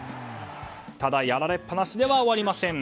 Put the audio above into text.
ただ、やられっぱなしでは終わりません。